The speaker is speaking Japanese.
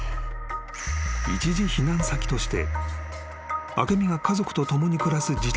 ［一時避難先として］